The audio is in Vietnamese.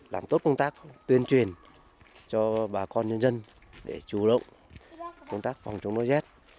làm tốt công tác tuyên truyền cho bà con nhân dân để chủ động công tác phòng chống đói rét